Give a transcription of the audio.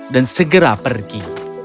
dan segera pergi